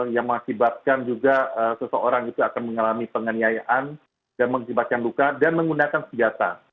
yang mengakibatkan juga seseorang itu akan mengalami penganiayaan dan mengakibatkan luka dan menggunakan senjata